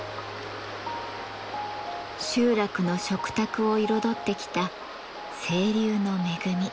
集落の食卓を彩ってきた清流の恵み。